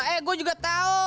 eh gua juga tahu